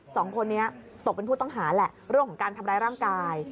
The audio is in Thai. สองคนนี้ตกเป็นผู้ต้องหาแหละเรื่องของการทำร้ายร่างกาย